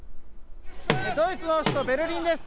ドイツの首都ベルリンです。